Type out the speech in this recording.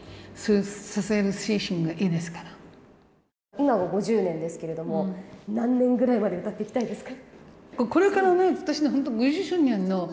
今は５０年ですけれども何年ぐらいまで歌っていきたいですか？